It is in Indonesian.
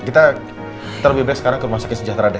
kita lebih baik sekarang ke rumah saya ke sejahtera deh